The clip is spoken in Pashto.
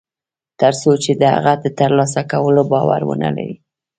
تر څو چې د هغه د تر لاسه کولو باور و نهلري